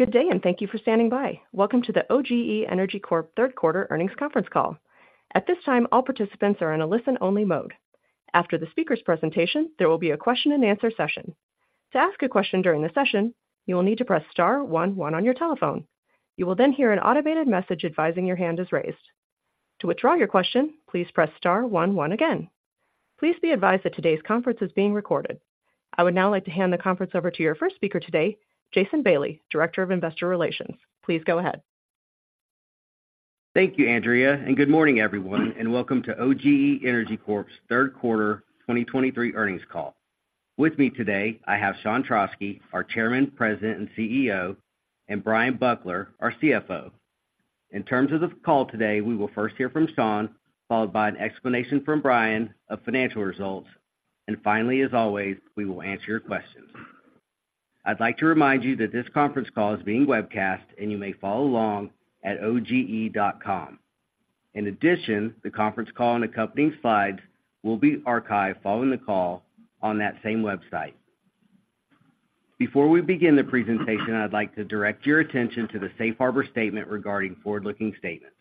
Good day, and thank you for standing by. Welcome to the OGE Energy Corp Third Quarter Earnings Conference Call. At this time, all participants are in a listen-only mode. After the speaker's presentation, there will be a question-and-answer session. To ask a question during the session, you will need to press star one one on your telephone. You will then hear an automated message advising your hand is raised. To withdraw your question, please press star one one again. Please be advised that today's conference is being recorded. I would now like to hand the conference over to your first speaker today, Jason Bailey, Director of Investor Relations. Please go ahead. Thank you, Andrea, and good morning everyone, and welcome to OGE Energy Corp's Third Quarter 2023 earnings call. With me today, I have Sean Trauschke, our Chairman, President, and CEO, and Bryan Buckler, our CFO. In terms of the call today, we will first hear from Sean, followed by an explanation from Bryan of financial results, and finally, as always, we will answer your questions. I'd like to remind you that this conference call is being webcast, and you may follow along at oge.com. In addition, the conference call and accompanying slides will be archived following the call on that same website. Before we begin the presentation, I'd like to direct your attention to the safe harbor statement regarding forward-looking statements.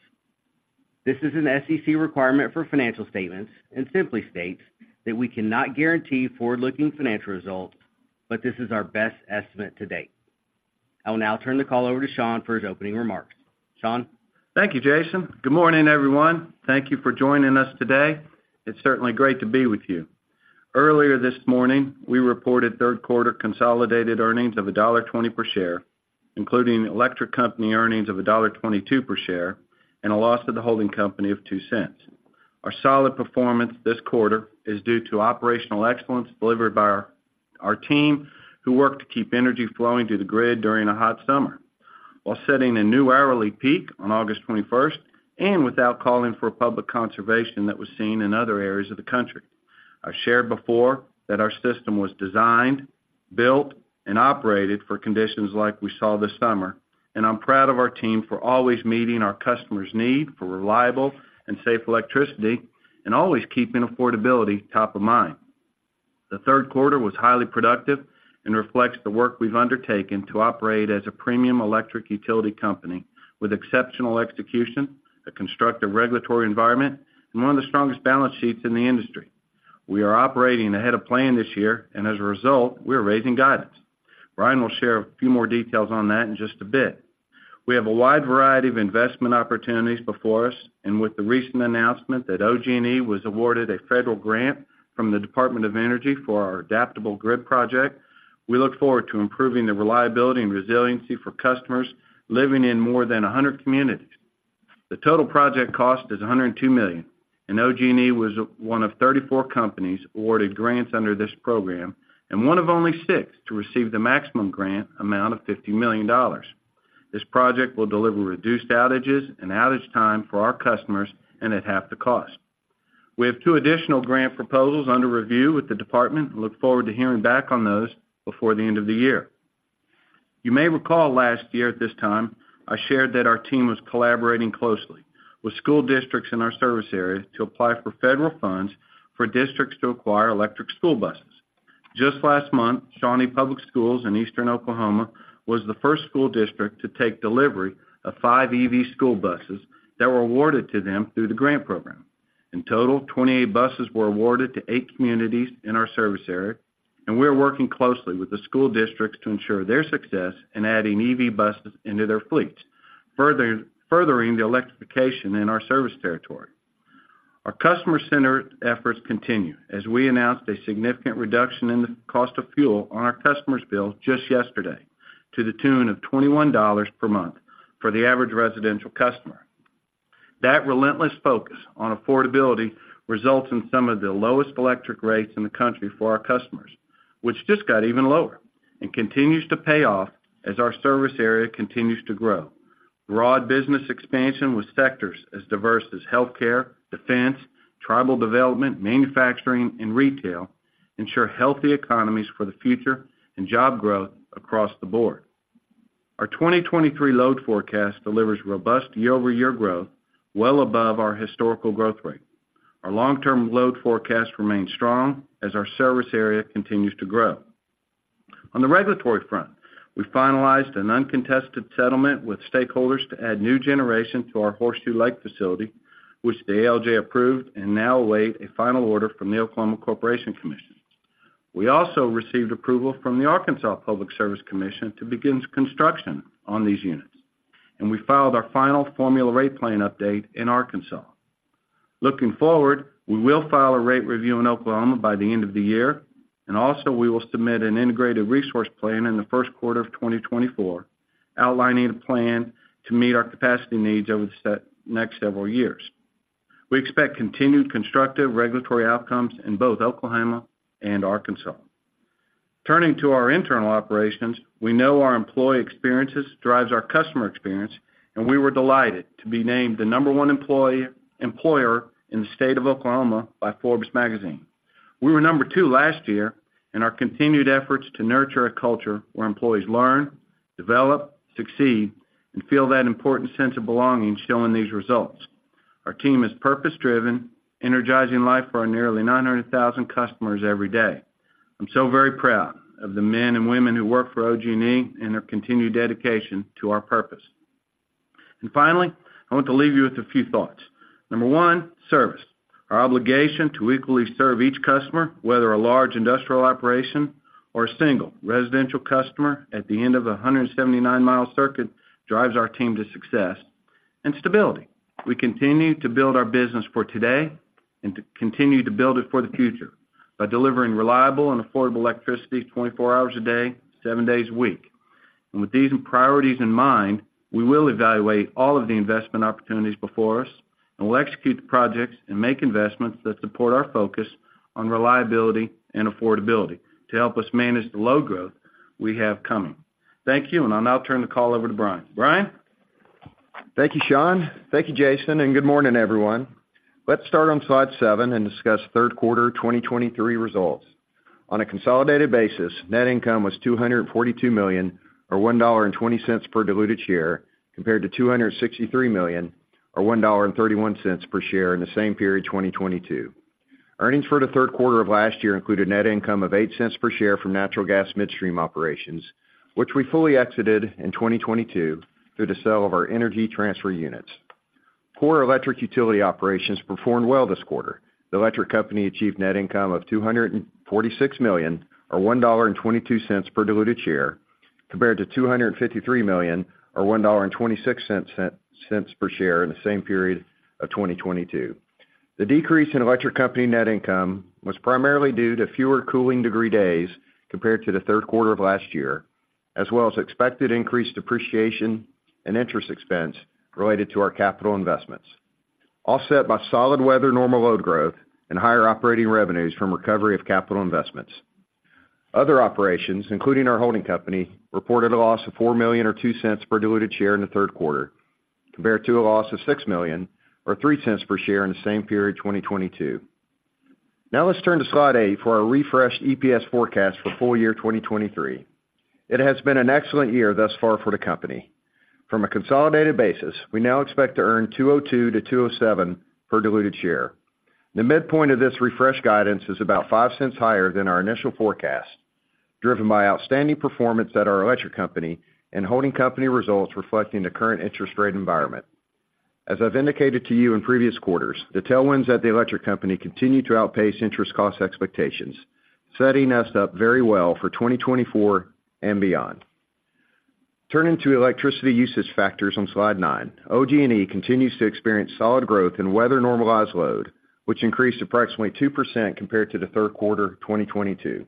This is an SEC requirement for financial statements and simply states that we cannot guarantee forward-looking financial results, but this is our best estimate to date. I will now turn the call over to Sean for his opening remarks. Sean? Thank you, Jason. Good morning, everyone. Thank you for joining us today. It's certainly great to be with you. Earlier this morning, we reported third quarter consolidated earnings of $1.20 per share, including electric company earnings of $1.22 per share and a loss to the holding company of $0.02. Our solid performance this quarter is due to operational excellence delivered by our team, who worked to keep energy flowing through the grid during a hot summer, while setting a new hourly peak on August 21st, and without calling for a public conservation that was seen in other areas of the country. I've shared before that our system was designed, built, and operated for conditions like we saw this summer, and I'm proud of our team for always meeting our customers' need for reliable and safe electricity and always keeping affordability top of mind. The third quarter was highly productive and reflects the work we've undertaken to operate as a premium electric utility company with exceptional execution, a constructive regulatory environment, and one of the strongest balance sheets in the industry. We are operating ahead of plan this year, and as a result, we are raising guidance. Bryan will share a few more details on that in just a bit. We have a wide variety of investment opportunities before us, and with the recent announcement that OG&E was awarded a federal grant from the Department of Energy for our Adaptable Grid Project, we look forward to improving the reliability and resiliency for customers living in more than 100 communities. The total project cost is $102 million, and OG&E was one of 34 companies awarded grants under this program and one of only six to receive the maximum grant amount of $50 million. This project will deliver reduced outages and outage time for our customers and at half the cost. We have two additional grant proposals under review with the department and look forward to hearing back on those before the end of the year. You may recall last year at this time, I shared that our team was collaborating closely with school districts in our service area to apply for federal funds for districts to acquire electric school buses. Just last month, Shawnee Public Schools in eastern Oklahoma was the first school district to take delivery of five EV school buses that were awarded to them through the grant program. In total, 28 buses were awarded to eight communities in our service area, and we are working closely with the school districts to ensure their success in adding EV buses into their fleets, furthering the electrification in our service territory. Our customer-centered efforts continue as we announced a significant reduction in the cost of fuel on our customers' bill just yesterday, to the tune of $21 per month for the average residential customer. That relentless focus on affordability results in some of the lowest electric rates in the country for our customers, which just got even lower and continues to pay off as our service area continues to grow. Broad business expansion with sectors as diverse as healthcare, defense, tribal development, manufacturing, and retail ensure healthy economies for the future and job growth across the board. Our 2023 load forecast delivers robust year-over-year growth well above our historical growth rate. Our long-term load forecast remains strong as our service area continues to grow. On the regulatory front, we finalized an uncontested settlement with stakeholders to add new generation to our Horseshoe Lake facility, which the ALJ approved and now await a final order from the Oklahoma Corporation Commission. We also received approval from the Arkansas Public Service Commission to begin construction on these units, and we filed our final Formula Rate Plan update in Arkansas. Looking forward, we will file a rate review in Oklahoma by the end of the year, and also we will submit an Integrated Resource Plan in the first quarter of 2024, outlining a plan to meet our capacity needs over the next several years. We expect continued constructive regulatory outcomes in both Oklahoma and Arkansas. Turning to our internal operations, we know our employee experiences drives our customer experience, and we were delighted to be named the number 1 employer in the state of Oklahoma by Forbes Magazine. We were number two last year, and our continued efforts to nurture a culture where employees learn, develop, succeed, and feel that important sense of belonging show in these results... Our team is purpose-driven, energizing life for our nearly 900,000 customers every day. I'm so very proud of the men and women who work for OG&E and their continued dedication to our purpose. And finally, I want to leave you with a few thoughts. Number one, service. Our obligation to equally serve each customer, whether a large industrial operation or a single residential customer at the end of a 179-mile circuit, drives our team to success and stability. We continue to build our business for today and to continue to build it for the future by delivering reliable and affordable electricity 24 hours a day, seven days a week. With these priorities in mind, we will evaluate all of the investment opportunities before us, and we'll execute the projects and make investments that support our focus on reliability and affordability to help us manage the low growth we have coming. Thank you, and I'll now turn the call over to Bryan. Bryan? Thank you, Sean. Thank you, Jason, and good morning, everyone. Let's start on slide seven and discuss third quarter 2023 results. On a consolidated basis, net income was $242 million, or $1.20 per diluted share, compared to $263 million, or $1.31 per share in the same period, 2022. Earnings for the third quarter of last year included net income of $0.08 per share from natural gas midstream operations, which we fully exited in 2022 through the sale of our Energy Transfer units. Core electric utility operations performed well this quarter. The electric company achieved net income of $246 million, or $1.22 per diluted share, compared to $253 million, or $1.26 per share in the same period of 2022. The decrease in electric company net income was primarily due to fewer cooling degree days compared to the third quarter of last year, as well as expected increased depreciation and interest expense related to our capital investments, offset by solid weather, normal load growth, and higher operating revenues from recovery of capital investments. Other operations, including our holding company, reported a loss of $4 million or $0.02 per diluted share in the third quarter, compared to a loss of $6 million or $0.03 per share in the same period, 2022. Now let's turn to slide eight for our refreshed EPS forecast for full year 2023. It has been an excellent year thus far for the company. From a consolidated basis, we now expect to earn $2.02-$2.07 per diluted share. The midpoint of this refreshed guidance is about $0.05 higher than our initial forecast, driven by outstanding performance at our electric company and holding company results reflecting the current interest rate environment. As I've indicated to you in previous quarters, the tailwinds at the electric company continue to outpace interest cost expectations, setting us up very well for 2024 and beyond. Turning to electricity usage factors on slide nine, OG&E continues to experience solid growth in weather-normalized load, which increased approximately 2% compared to the third quarter of 2022.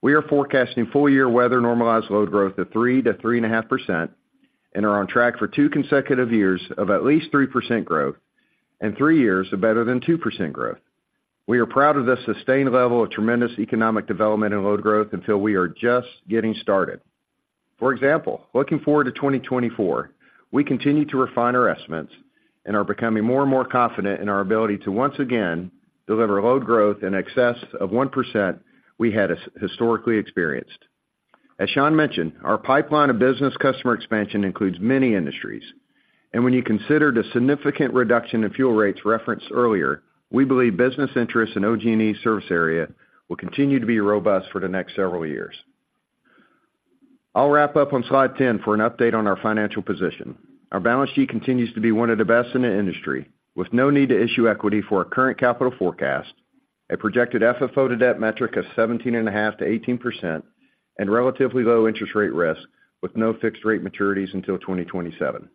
We are forecasting full-year weather normalized load growth of 3%-3.5%, and are on track for two consecutive years of at least 3% growth and three years of better than 2% growth. We are proud of this sustained level of tremendous economic development and load growth, and feel we are just getting started. For example, looking forward to 2024, we continue to refine our estimates and are becoming more and more confident in our ability to once again deliver load growth in excess of 1% we had historically experienced. As Sean mentioned, our pipeline of business customer expansion includes many industries, and when you consider the significant reduction in fuel rates referenced earlier, we believe business interest in OG&E service area will continue to be robust for the next several years. I'll wrap up on slide 10 for an update on our financial position. Our balance sheet continues to be one of the best in the industry, with no need to issue equity for our current capital forecast, a projected FFO to debt metric of 17.5%-18%, and relatively low interest rate risk, with no fixed-rate maturities until 2027.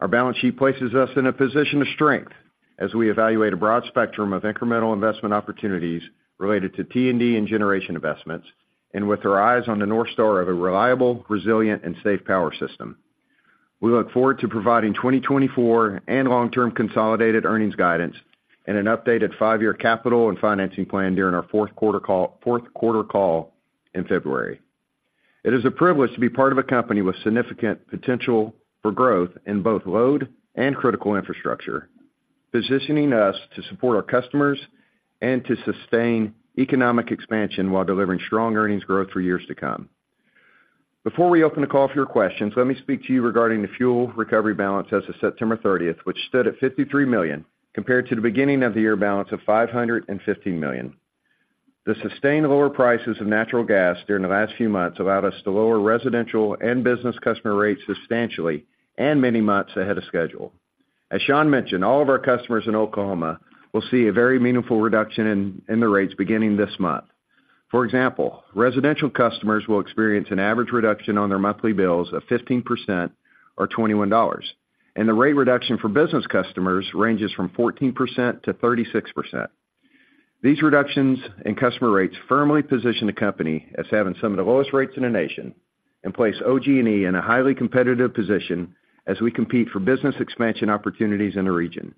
Our balance sheet places us in a position of strength as we evaluate a broad spectrum of incremental investment opportunities related to T&D and generation investments, and with our eyes on the North Star of a reliable, resilient and safe power system. We look forward to providing 2024 and long-term consolidated earnings guidance and an updated five-year capital and financing plan during our fourth quarter call, fourth quarter call in February. It is a privilege to be part of a company with significant potential for growth in both load and critical infrastructure, positioning us to support our customers and to sustain economic expansion while delivering strong earnings growth for years to come. Before we open the call for your questions, let me speak to you regarding the fuel recovery balance as of September 30th, which stood at $53 million, compared to the beginning of the year balance of $550 million. The sustained lower prices of natural gas during the last few months allowed us to lower residential and business customer rates substantially and many months ahead of schedule. As Sean mentioned, all of our customers in Oklahoma will see a very meaningful reduction in their rates beginning this month. For example, residential customers will experience an average reduction on their monthly bills of 15% or $21, and the rate reduction for business customers ranges from 14%-36%. These reductions in customer rates firmly position the company as having some of the lowest rates in the nation and place OG&E in a highly competitive position as we compete for business expansion opportunities in the region.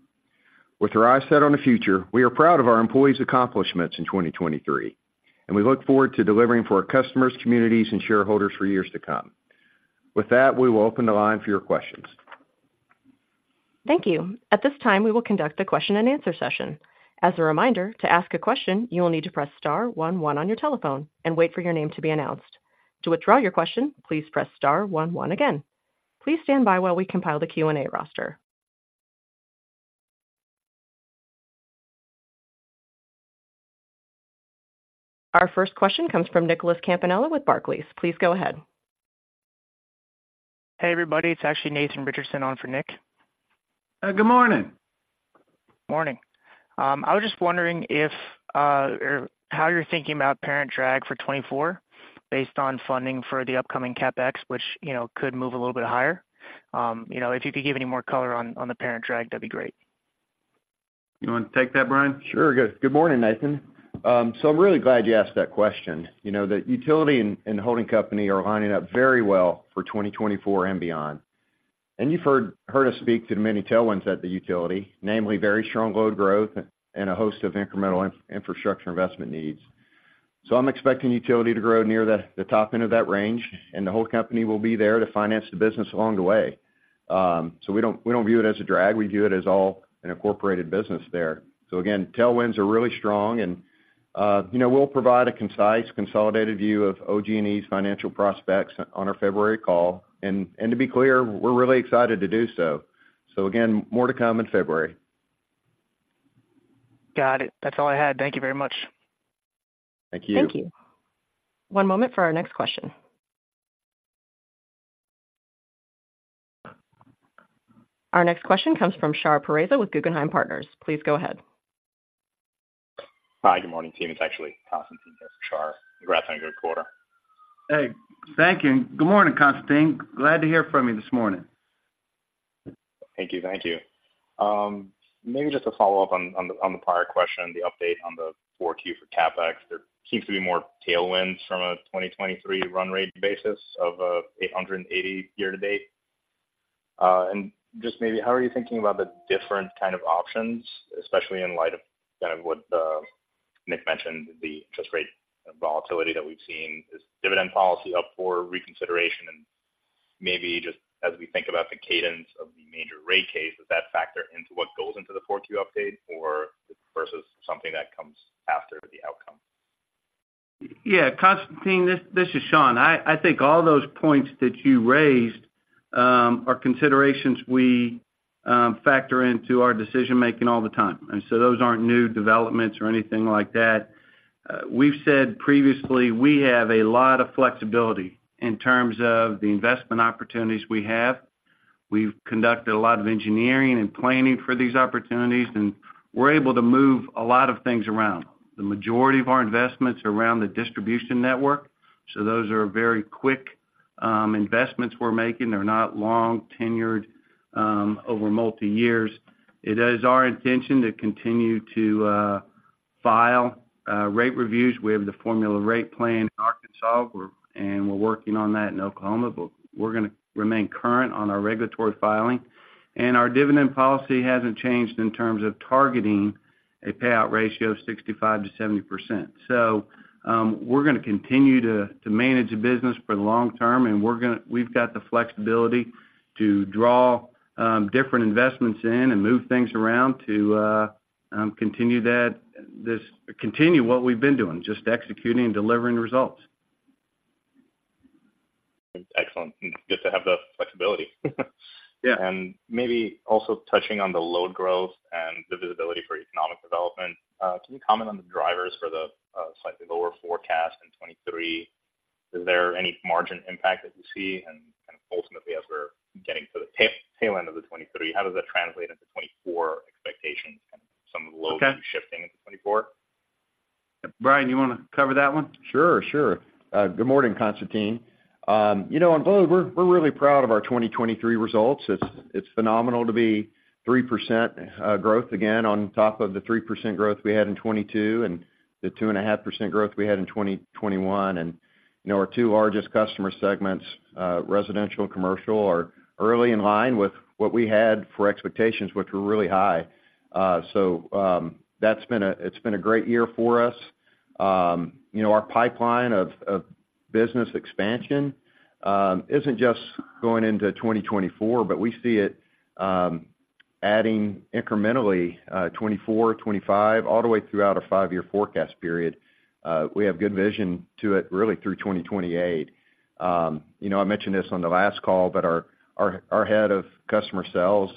With our eyes set on the future, we are proud of our employees' accomplishments in 2023, and we look forward to delivering for our customers, communities, and shareholders for years to come. With that, we will open the line for your questions. Thank you. At this time, we will conduct a question-and-answer session. As a reminder, to ask a question, you will need to press star one one on your telephone and wait for your name to be announced. To withdraw your question, please press star one, one again. Please stand by while we compile the Q&A roster. Our first question comes from Nicholas Campanella with Barclays. Please go ahead. Hey, everybody, it's actually Nathan Richardson on for Nick. Good morning. Morning. I was just wondering if or how you're thinking about parent drag for 2024 based on funding for the upcoming CapEx, which, you know, could move a little bit higher. You know, if you could give any more color on the parent drag, that'd be great. You want to take that, Bryan? Sure. Good, good morning, Nathan. So I'm really glad you asked that question. You know, the utility and holding company are lining up very well for 2024 and beyond. And you've heard us speak to the many tailwinds at the utility, namely very strong load growth and a host of incremental infrastructure investment needs. So I'm expecting utility to grow near the top end of that range, and the whole company will be there to finance the business along the way. So we don't view it as a drag, we view it as all an incorporated business there. So again, tailwinds are really strong, and you know, we'll provide a concise, consolidated view of OG&E's financial prospects on our February call. And to be clear, we're really excited to do so. So again, more to come in February. Got it. That's all I had. Thank you very much. Thank you. Thank you. One moment for our next question. Our next question comes from Shar Pourreza with Guggenheim Partners. Please go ahead. Hi, good morning, team. It's actually Constantine, not Shar. Congrats on a good quarter. Hey, thank you, and good morning, Constantine. Glad to hear from you this morning. Thank you. Thank you. Maybe just a follow-up on the prior question, the update on the Q4 for CapEx. There seems to be more tailwinds from a 2023 run rate basis of $880 year to date. And just maybe, how are you thinking about the different kind of options, especially in light of kind of what Nick mentioned, the interest rate volatility that we've seen? Is dividend policy up for reconsideration? And maybe just as we think about the cadence of the major rate case, does that factor into what goes into the 4Q update or versus something that comes after the outcome? Yeah, Constantine, this, this is Sean. I think all those points that you raised are considerations we factor into our decision making all the time, and so those aren't new developments or anything like that. We've said previously we have a lot of flexibility in terms of the investment opportunities we have. We've conducted a lot of engineering and planning for these opportunities, and we're able to move a lot of things around. The majority of our investments are around the distribution network, so those are very quick investments we're making. They're not long-tenured over multi years. It is our intention to continue to file rate reviews. We have the Formula Rate Plan in Arkansas, and we're working on that in Oklahoma, but we're gonna remain current on our regulatory filing. Our dividend policy hasn't changed in terms of targeting a payout ratio of 65%-70%. So, we're gonna continue to manage the business for the long term, and we've got the flexibility to draw different investments in and move things around to continue what we've been doing, just executing and delivering results. Excellent. Good to have the flexibility. Yeah. Maybe also touching on the load growth and the visibility for economic development, can you comment on the drivers for the slightly lower forecast in 2023? Is there any margin impact that you see? And kind of ultimately, as we're getting to the tail end of the 2023, how does that translate into 2024 expectations and some of the loads- Okay. Shifting into 2024? Bryan, you want to cover that one? Sure, sure. Good morning, Constantine. You know, on load, we're really proud of our 2023 results. It's phenomenal to be 3% growth again on top of the 3% growth we had in 2022 and the 2.5% growth we had in 2021. You know, our two largest customer segments, residential and commercial, are early in line with what we had for expectations, which were really high. So, that's been a great year for us. You know, our pipeline of business expansion isn't just going into 2024, but we see it adding incrementally 2024, 2025, all the way throughout our five-year forecast period. We have good vision to it, really through 2028. You know, I mentioned this on the last call, but our head of customer sales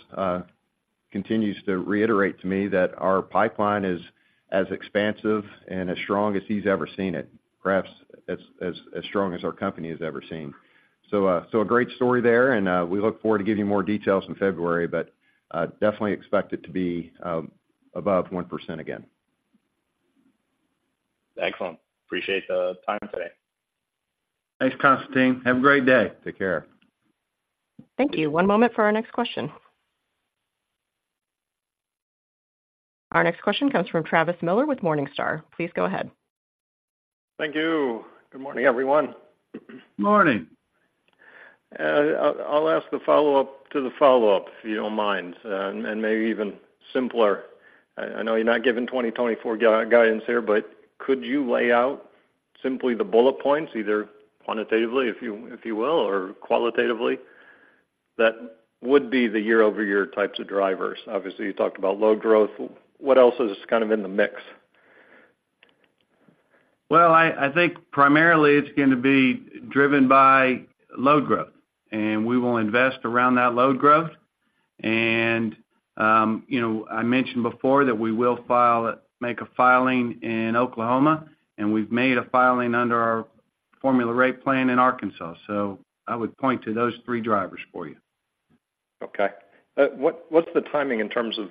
continues to reiterate to me that our pipeline is as expansive and as strong as he's ever seen it, perhaps as strong as our company has ever seen. So, a great story there, and we look forward to giving you more details in February, but definitely expect it to be above 1% again. Excellent. Appreciate the time today. Thanks, Constantine. Have a great day. Take care. Thank you. One moment for our next question. Our next question comes from Travis Miller with Morningstar. Please go ahead. Thank you. Good morning, everyone. Morning. I'll ask the follow-up to the follow-up, if you don't mind, and maybe even simpler. I know you're not giving 2024 guidance here, but could you lay out simply the bullet points, either quantitatively, if you will, or qualitatively? That would be the year-over-year types of drivers? Obviously, you talked about load growth. What else is kind of in the mix? Well, I think primarily it's going to be driven by load growth, and we will invest around that load growth. You know, I mentioned before that we will make a filing in Oklahoma, and we've made a filing under our formula rate plan in Arkansas. I would point to those three drivers for you. Okay. What's the timing in terms of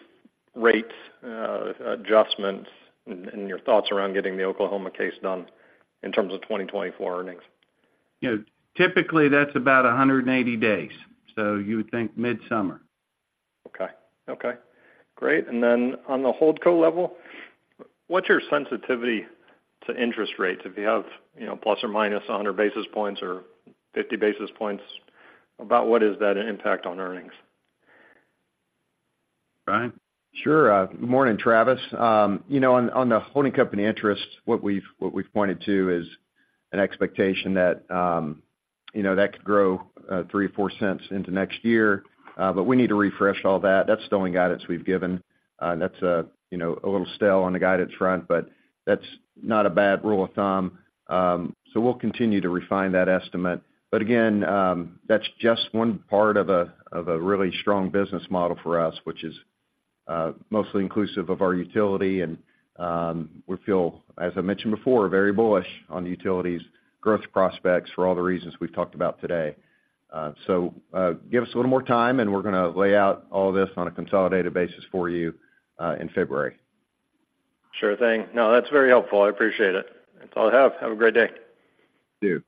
rates, adjustments, and your thoughts around getting the Oklahoma case done in terms of 2024 earnings? You know, typically, that's about 180 days. So you would think midsummer. Okay. Okay, great. And then on the holdco level, what's your sensitivity to interest rates? If you have, you know, plus or minus 100 basis points or 50 basis points, about what is that impact on earnings? Bryan? Sure. Good morning, Travis. You know, on the holding company interest, what we've, what we've pointed to is an expectation that, you know, that could grow $0.03-$0.04 into next year, but we need to refresh all that. That's the only guidance we've given. That's a, you know, a little stale on the guidance front, but that's not a bad rule of thumb. So we'll continue to refine that estimate. But again, that's just one part of a, of a really strong business model for us, which is mostly inclusive of our utility. And we feel, as I mentioned before, very bullish on the utility's growth prospects for all the reasons we've talked about today. So, give us a little more time, and we're going to lay out all this on a consolidated basis for you, in February. Sure thing. No, that's very helpful. I appreciate it. That's all I have. Have a great day. You too.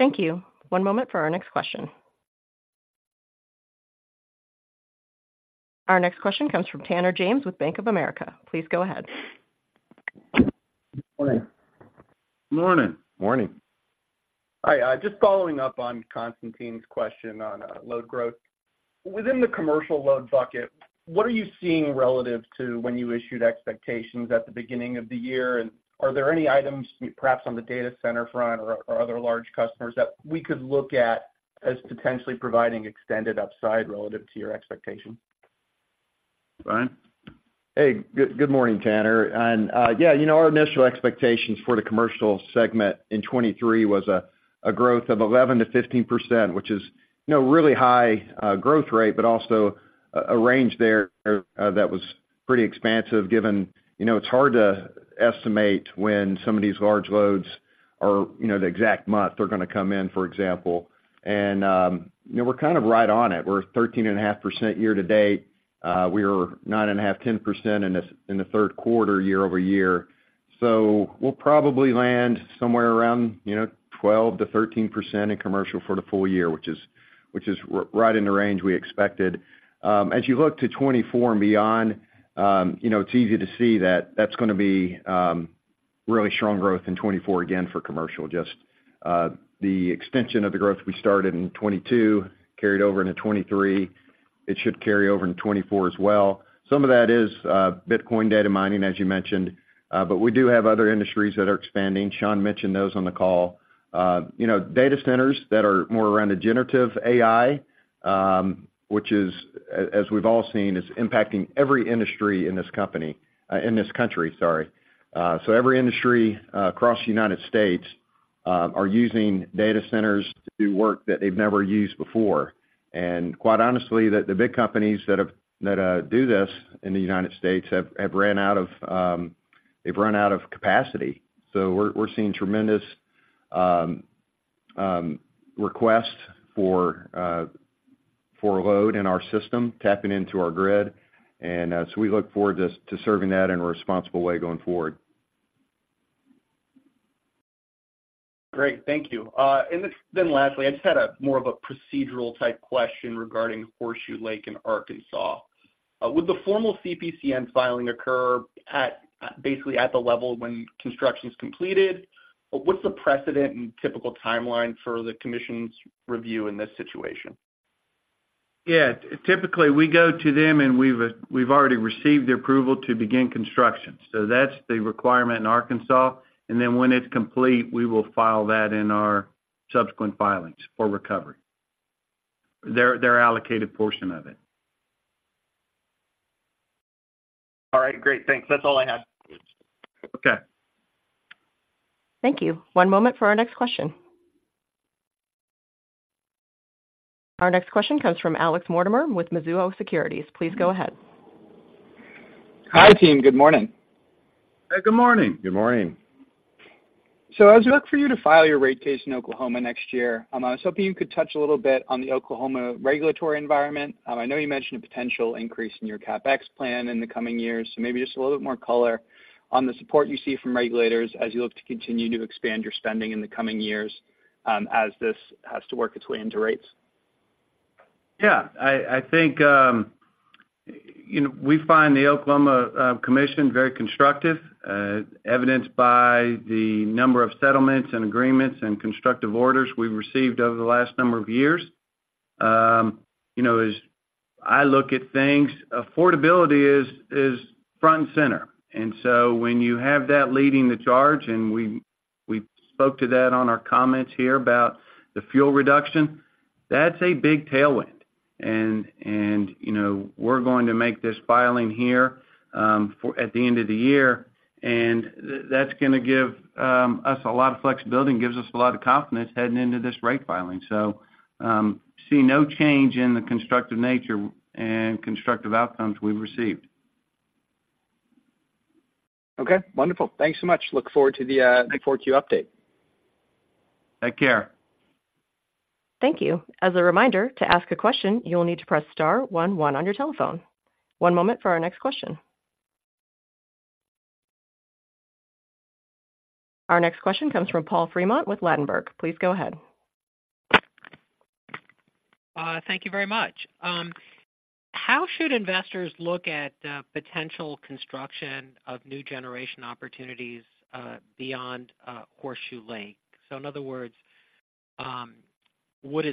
Thank you. One moment for our next question. Our next question comes from Tanner James with Bank of America. Please go ahead. Morning. Morning. Morning. Hi. Just following up on Constantine's question on load growth. Within the commercial load bucket, what are you seeing relative to when you issued expectations at the beginning of the year? And are there any items, perhaps on the data center front or other large customers, that we could look at as potentially providing extended upside relative to your expectation? Bryan? Hey, good, good morning, Tanner. And, yeah, you know, our initial expectations for the commercial segment in 2023 was a growth of 11%-15%, which is, you know, really high, growth rate, but also a range there, that was pretty expansive, given, you know, it's hard to estimate when some of these large loads are, you know, the exact month they're going to come in, for example. And, you know, we're kind of right on it. We're 13.5% year to date. We were 9.5%-10% in the third quarter, year-over-year. So we'll probably land somewhere around, you know, 12%-13% in commercial for the full year, which is right in the range we expected. As you look to 2024 and beyond, you know, it's easy to see that that's going to be really strong growth in 2024, again, for commercial. Just the extension of the growth we started in 2022, carried over into 2023. It should carry over in 2024 as well. Some of that is Bitcoin data mining, as you mentioned, but we do have other industries that are expanding. Sean mentioned those on the call. You know, data centers that are more around the generative AI, which is, as we've all seen, impacting every industry in this company, in this country, sorry. So every industry across the United States are using data centers to do work that they've never used before. Quite honestly, the big companies that do this in the United States have run out of capacity. We're seeing tremendous request for load in our system, tapping into our grid. We look forward to serving that in a responsible way going forward. Great. Thank you. And then lastly, I just had a more of a procedural type question regarding Horseshoe Lake in Arkansas. Would the formal CPCN filing occur at, basically at the level when construction is completed? What's the precedent and typical timeline for the commission's review in this situation? Yeah, typically, we go to them, and we've already received the approval to begin construction. So that's the requirement in Arkansas. And then when it's complete, we will file that in our subsequent filings for recovery, their allocated portion of it. All right, great. Thanks. That's all I had. Okay. Thank you. One moment for our next question. Our next question comes from Alex Mortimer with Mizuho Securities. Please go ahead. Hi, team. Good morning. Good morning. Good morning. As we look for you to file your rate case in Oklahoma next year, I was hoping you could touch a little bit on the Oklahoma regulatory environment. I know you mentioned a potential increase in your CapEx plan in the coming years, so maybe just a little bit more color on the support you see from regulators as you look to continue to expand your spending in the coming years, as this has to work its way into rates. Yeah, I think, you know, we find the Oklahoma Commission very constructive, evidenced by the number of settlements and agreements and constructive orders we've received over the last number of years. You know, as I look at things, affordability is front and center. And so when you have that leading the charge, and we spoke to that on our comments here about the fuel reduction, that's a big tailwind. And, you know, we're going to make this filing here at the end of the year, and that's gonna give us a lot of flexibility and gives us a lot of confidence heading into this rate filing. So, see no change in the constructive nature and constructive outcomes we've received. Okay, wonderful. Thanks so much. Look forward to the four Q update. Take care. Thank you. As a reminder, to ask a question, you'll need to press star one one on your telephone. One moment for our next question. Our next question comes from Paul Fremont with Ladenburg. Please go ahead. Thank you very much. How should investors look at potential construction of new generation opportunities beyond Horseshoe Lake? So in other words,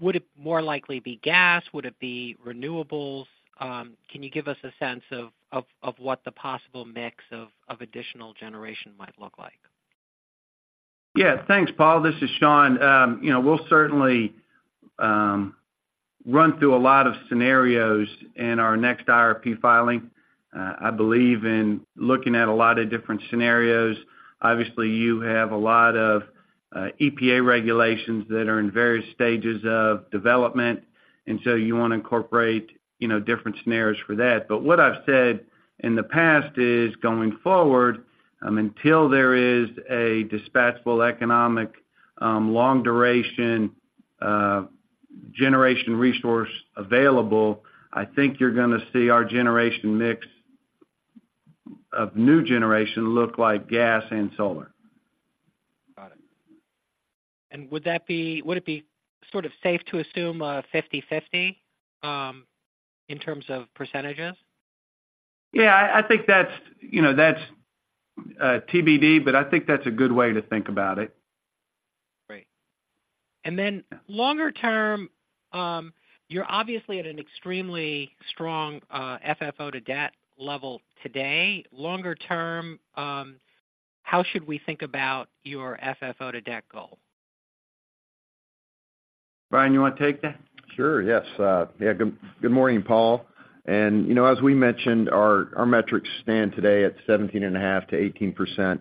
would it more likely be gas? Would it be renewables? Can you give us a sense of what the possible mix of additional generation might look like? Yeah, thanks, Paul. This is Sean. You know, we'll certainly run through a lot of scenarios in our next IRP filing. I believe in looking at a lot of different scenarios. Obviously, you have a lot of EPA regulations that are in various stages of development, and so you wanna incorporate, you know, different scenarios for that. But what I've said in the past is, going forward, until there is a dispatchable economic long duration generation resource available, I think you're gonna see our generation mix of new generation look like gas and solar. Got it. And would it be sort of safe to assume 50/50 in terms of percentages? Yeah, I, I think that's, you know, that's TBD, but I think that's a good way to think about it. Great. And then longer term, you're obviously at an extremely strong FFO to debt level today. Longer term, how should we think about your FFO to debt goal? Bryan, you wanna take that? Sure, yes. Yeah, good morning, Paul. You know, as we mentioned, our metrics stand today at 17.5%-18%.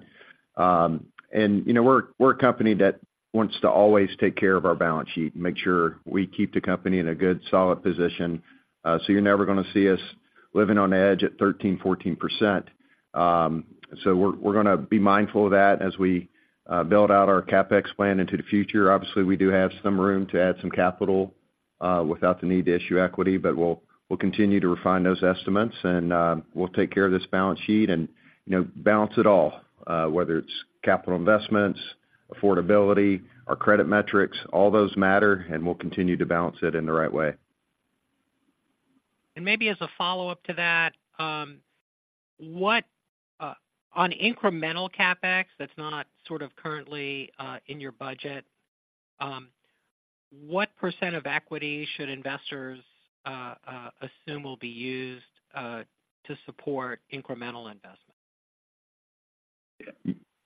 You know, we're a company that wants to always take care of our balance sheet and make sure we keep the company in a good, solid position. So you're never gonna see us living on edge at 13%-14%. So we're gonna be mindful of that as we build out our CapEx plan into the future. Obviously, we do have some room to add some capital without the need to issue equity, but we'll continue to refine those estimates, and we'll take care of this balance sheet and, you know, balance it all, whether it's capital investments, affordability, our credit metrics, all those matter, and we'll continue to balance it in the right way. Maybe as a follow-up to that, what on incremental CapEx that's not sort of currently in your budget, what percent of equity should investors assume will be used to support incremental investments?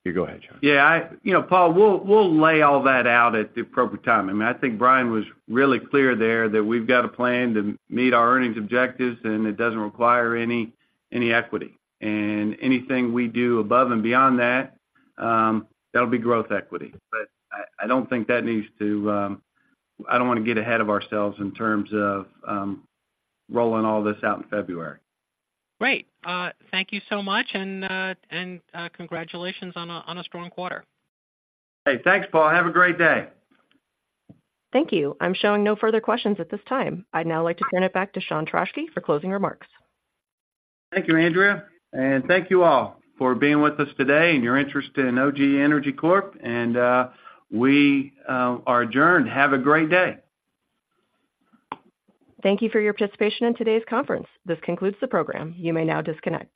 You go ahead, Sean. Yeah, you know, Paul, we'll lay all that out at the appropriate time. I mean, I think Bryan was really clear there that we've got a plan to meet our earnings objectives, and it doesn't require any equity. And anything we do above and beyond that, that'll be growth equity. But I don't think that needs to. I don't wanna get ahead of ourselves in terms of rolling all this out in February. Great. Thank you so much, and congratulations on a strong quarter. Hey, thanks, Paul. Have a great day. Thank you. I'm showing no further questions at this time. I'd now like to turn it back to Sean Trauschke for closing remarks. Thank you, Andrea, and thank you all for being with us today and your interest in OGE Energy Corp., and we are adjourned. Have a great day. Thank you for your participation in today's conference. This concludes the program. You may now disconnect.